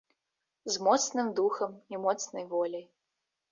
З моцным духам і моцнай воляй.